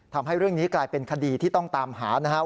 ทำให้เรื่องนี้กลายเป็นคดีที่ต้องตามหานะครับ